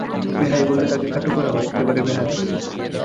বেহাই বললে তাঁকে খাটো করা হয়, একেবারে বেহায়া।